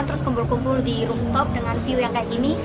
terus kumpul kumpul di room top dengan view yang kayak gini